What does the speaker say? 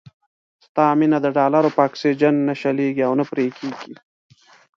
ستا مينه د ډالرو په اکسيجن نه شلېږي او نه پرې کېږي.